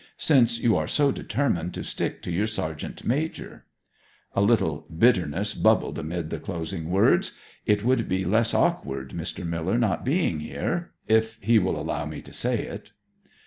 since you are so determined to stick to your sergeant major.' A little bitterness bubbled amid the closing words. 'It would be less awkward, Mr. Miller not being here if he will allow me to say it.'